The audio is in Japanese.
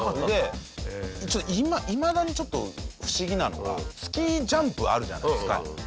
でいまだにちょっと不思議なのがスキージャンプあるじゃないですか。